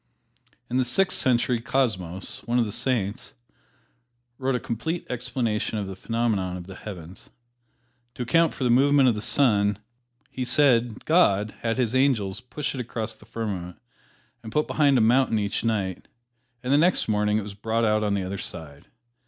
In the Sixth Century, Cosmos, one of the Saints, wrote a complete explanation of the phenomena of the heavens. To account for the movement of the sun, he said God had His angels push it across the firmament and put it behind a mountain each night, and the next morning it was brought out on the other side.